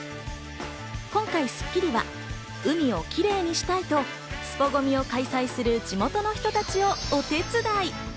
今回『スッキリ』は海をキレイにした後、スポＧＯＭＩを開催する地元の人たちをお手伝い。